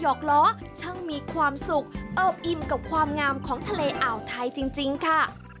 อกล้อช่างมีความสุขเอิบอิ่มกับความงามของทะเลอ่าวไทยจริงค่ะ